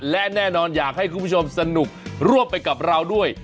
และแน่นอนอยากให้คุณผู้ชมสนุกร่วมไปกับเราด้วย